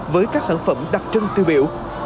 với các sản phẩm đặc trưng tiêu biểu